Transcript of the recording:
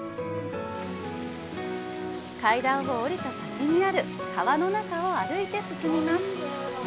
階段をおりた先にある川の中を歩いて進みます。